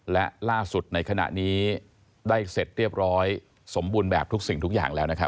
และล่าสุดในขณะนี้ได้เสร็จเรียบร้อยสมบูรณ์แบบทุกสิ่งทุกอย่างแล้วนะครับ